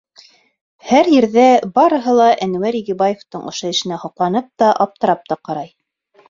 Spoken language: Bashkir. Һәр ерҙә барыһы ла Әнүәр Игебаевтың ошо эшенә һоҡланып та, аптырап та ҡарай.